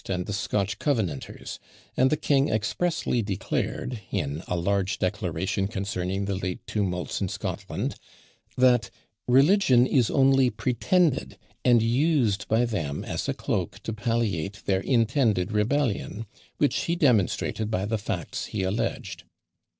and the Scotch Covenanters; and the king expressly declared, in "a large declaration, concerning the late tumults in Scotland," that "religion is only pretended, and used by them as a cloak to palliate their intended rebellion," which he demonstrated by the facts he alleged.